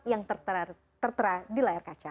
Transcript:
yang tertera di layar kaca